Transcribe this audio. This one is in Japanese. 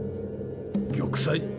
玉砕？